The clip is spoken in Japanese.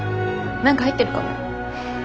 何か入ってるかもよ。